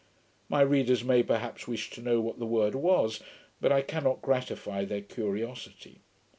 My readers may perhaps wish to know what the word was; but I cannot gratify their curiosity.